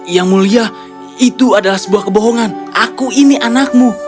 yang mulia itu adalah sebuah kebohongan aku ini anakmu